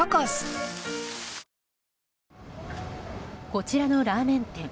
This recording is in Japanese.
こちらのラーメン店